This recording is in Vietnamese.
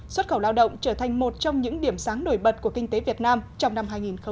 xuất khẩu lao động trở thành một trong những điểm sáng nổi bật của kinh tế việt nam trong năm hai nghìn hai mươi